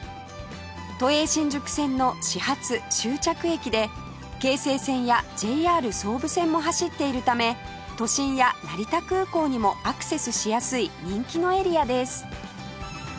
都営新宿線の始発・終着駅で京成線や ＪＲ 総武線も走っているため都心や成田空港にもアクセスしやすい人気のエリアです